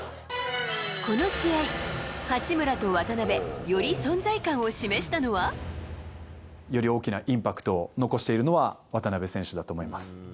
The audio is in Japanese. この試合、八村と渡邊、より存在感を示したのは？より大きなインパクトを残しているのは、渡邊選手だと思います。